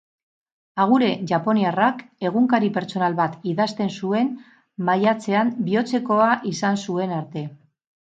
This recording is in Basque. Agure japoniarrak egunkari pertsonal bat idazten zuen maiatzean bihotzekoa izan zuen arte.